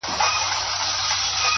بگوت گيتا د هندوانو مذهبي کتاب-